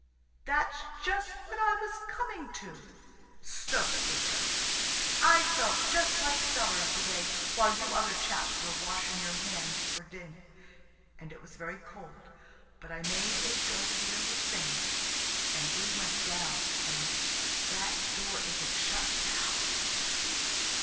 "That's just what I was coming to. (Stow it, H.O.!) I felt just like cellars to day, while you other chaps were washing your hands for din.–and it was very cold; but I made H.O. feel the same, and we went down, and–that door isn't shut now."